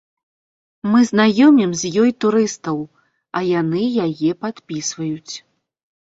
Мы знаёмім з ёй турыстаў, а яны яе падпісваюць.